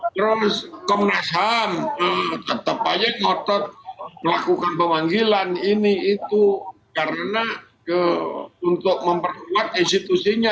terus komnas ham tetap aja ngotot melakukan pemanggilan ini itu karena untuk memperkuat institusinya